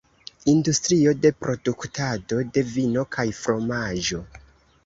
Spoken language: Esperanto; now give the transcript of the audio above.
Industrio de produktado de vino kaj fromaĝo.